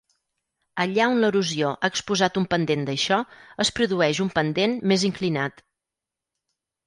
Allà on l'erosió ha exposat un pendent d'això, es produeix un pendent més inclinat.